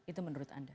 itu menurut anda